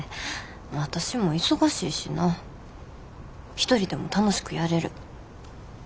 一人でも楽しくやれる。